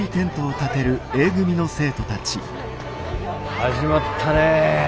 始まったねえ。